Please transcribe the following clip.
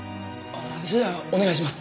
じゃあお願いします。